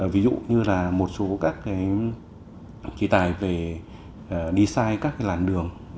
ví dụ như là một số các cái chế tài về design các cái làn đường